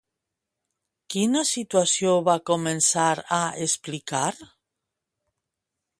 Quina situació va començar a explicar?